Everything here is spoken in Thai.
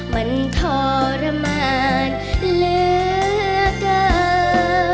มันทรมานเหลือเกิน